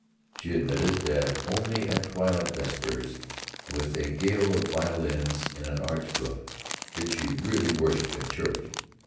She admitted that only at twilight vespers, with a gale of violins in an arched roof, did she really worship in church.